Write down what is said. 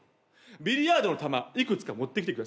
ビリヤードの球いくつか持ってきてください。